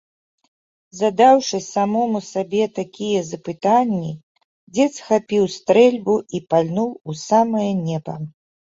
Задаўшы самому сабе такія запытанні, дзед схапіў стрэльбу і пальнуў у самае неба.